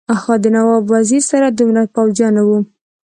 د نواب وزیر سره دومره پوځیان نه وو.